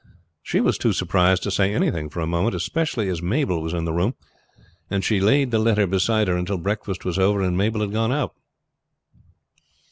She was too surprised to say anything for a moment, especially as Mabel was in the room, and she laid the letter beside her until breakfast was over and Mabel had gone out.